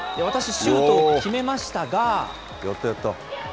私、シュートを決めましたが。